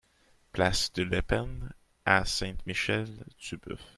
Place de l'Epine à Saint-Michel-Tubœuf